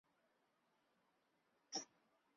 穆列尔讷。